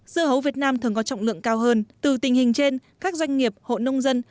dưa hấu việt nam thường có trọng lượng cao hơn từ tình hình trên các doanh nghiệp hộ nông dân